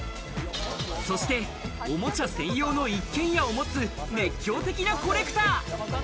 そして、おもちゃ専用の一軒家を持つ、熱狂的なコレクター。